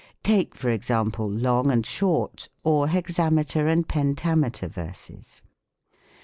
Take, for example. Long and Short, or Hexameter and Pentame ter verses.